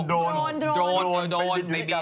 ไอ้โดรนที่เวลาเราถ่ายอันนั้นหรอคะ